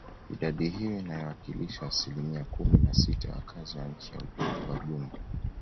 Idadi hiyo inayowakilisha asilimia kumi na sita ya wakazi wa nchi kwa ujumla